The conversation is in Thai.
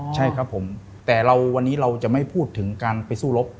ใช่ครับผมแต่วันนี้เราจะไม่พูดถึงการไปสู้รบ